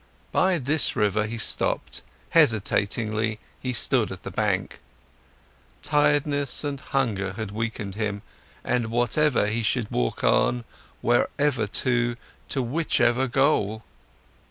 By this river he stopped, hesitantly he stood at the bank. Tiredness and hunger had weakened him, and whatever for should he walk on, wherever to, to which goal?